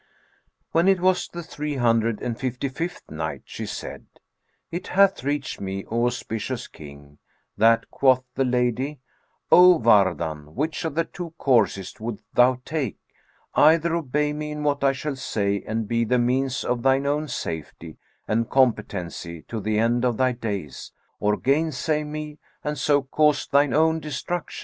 When it was the Three Hundred and Fifty fifth Night, She said, It hath reached me, O auspicious King, that quoth the lady, " 'O Wardan, which of the two courses wouldst thou take; either obey me in what I shall say and be the means of thine own safety and competency to the end of thy days, or gainsay me and so cause thine own destruction?'